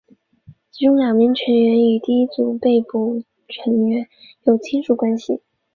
其中两名成员与第一组被捕成员有亲属关系。